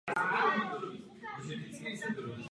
V knihovně svatovítské kapituly se nachází jeho osobní erb.